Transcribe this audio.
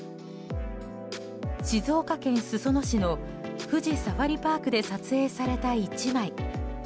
静岡県裾野市の富士サファリパークで撮影された１枚。